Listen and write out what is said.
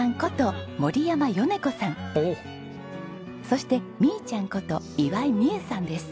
そして「みーちゃん」こと岩井三枝さんです。